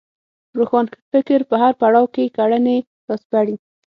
روښانفکر په هر پړاو کې کړنې راسپړي